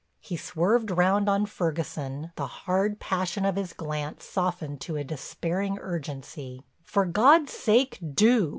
He swerved round on Ferguson, the hard passion of his glance softened to a despairing urgency, "For God's sake, do.